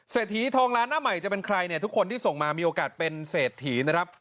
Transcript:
ถีทองล้านหน้าใหม่จะเป็นใครเนี่ยทุกคนที่ส่งมามีโอกาสเป็นเศรษฐีนะครับ